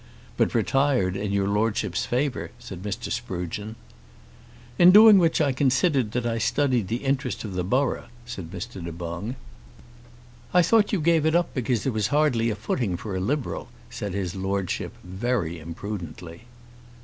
"But retired in your Lordship's favour," said Mr. Sprugeon. "In doing which I considered that I studied the interest of the borough," said Mr. Du Boung. "I thought you gave it up because there was hardly a footing for a Liberal," said his Lordship, very imprudently.